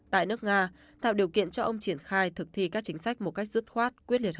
tại nước nga tạo điều kiện cho ông triển khai thực thi các chính sách một cách dứt khoát quyết liệt